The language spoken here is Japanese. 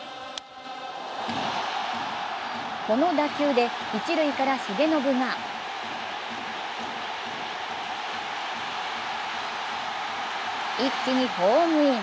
この打球で一塁から重信が一気にホームイン。